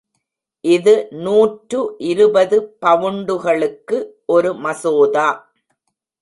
இது நூற்று இருபது பவுண்டுகளுக்கு ஒரு மசோதா.